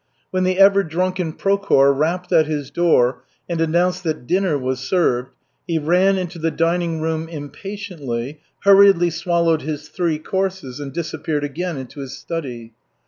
When the ever drunken Prokhor rapped at his door and announced that dinner was served, he ran into the dining room impatiently, hurriedly swallowed his three courses and disappeared again into his study.